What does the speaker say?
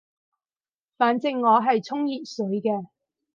反正我係沖熱水嘅